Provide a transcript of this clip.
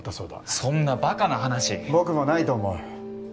そんなバカな話僕もないと思う